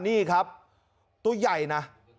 นี่ครับตัวใหญ่นะ